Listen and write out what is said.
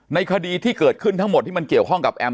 ในคดีที่เกิดขึ้นทั้งหมดที่มันเกี่ยวข้องกับแอม